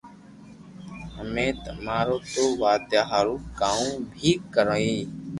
امي امارو نو ودايا ھارو ڪاو بي ڪري